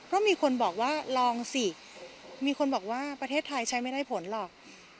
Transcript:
เพราะมีคนบอกว่าลองสิมีคนบอกว่าประเทศไทยใช้ไม่ได้ผลหรอก